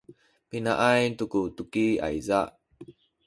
pinaay tu ku tuki ayza?